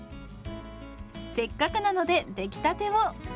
せっかくなので出来たてを！